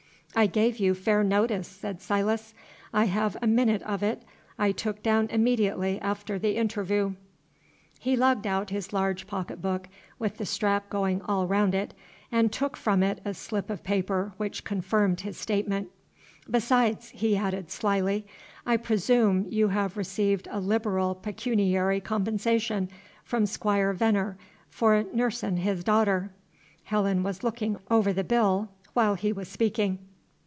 "I gave you fair notice," said Silas. "I have a minute of it I took down immed'ately after the intervoo." He lugged out his large pocket book with the strap going all round it, and took from it a slip of paper which confirmed his statement. "Besides," he added, slyly, "I presoom you have received a liberal pecooniary compensation from Squire Venner for nussin' his daughter." Helen was looking over the bill while he was speaking.